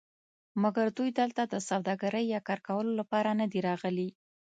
مګر دوی دلته د سوداګرۍ یا کار کولو لپاره ندي راغلي.